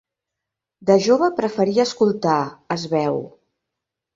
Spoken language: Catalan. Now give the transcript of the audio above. De jove preferia escoltar, es veu.